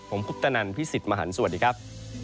ผมพุทธนันทร์พี่สิทธิ์มหันต์สวัสดีครับ